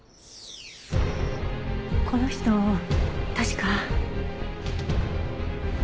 この人確か。